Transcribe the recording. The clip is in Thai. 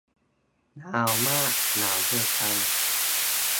หนาวมาก หนาวเกินไป